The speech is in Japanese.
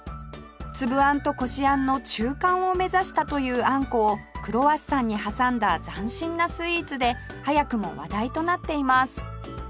つぶあんとこしあんの中間を目指したというあんこをクロワッサンに挟んだ斬新なスイーツで早くも話題となっています